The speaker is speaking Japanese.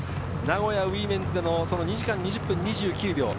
名古屋ウィメンズでの２時間２０分２９秒。